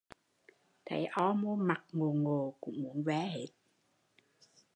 Thấy o mô mặt ngộ ngộ cũng muốn ve hết